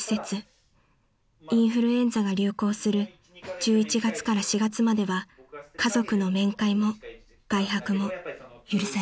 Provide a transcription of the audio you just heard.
［インフルエンザが流行する１１月から４月までは家族の面会も外泊も許されません］